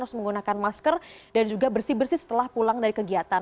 harus menggunakan masker dan juga bersih bersih setelah pulang dari kegiatan